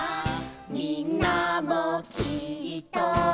「みんなもきっと」